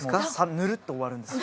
ぬるっと終わるんですよ。